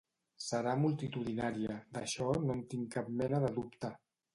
Serà multitudinària, d’això no en tinc cap mena de dubte.